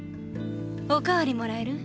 おかわりもらえる？